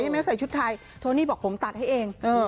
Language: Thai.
ไม่ใส่ชุดไทยโทนี่บอกผมตัดให้เอง